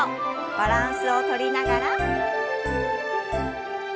バランスをとりながら。